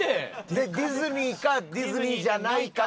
でディズニーかディズニーじゃないかで。